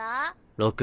６。